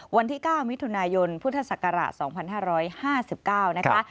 วันที่๙มิถุนายนพุทธศักราช๒๕๕๙นะคะ